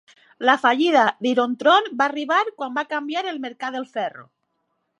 La fallida d'Ironton va arribar quan va canviar el mercat del ferro.